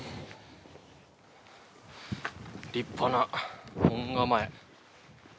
立派な門構え。